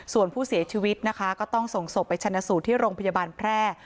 ส่วนผู้เสียชีวิตนะคะก็ต้องส่งศพไปชนะสูตรที่โรงพยาบาลแพร่